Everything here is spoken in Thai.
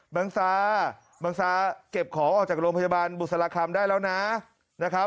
บังซาบังซาเก็บของออกจากโรงพยาบาลบุษราคำได้แล้วนะครับ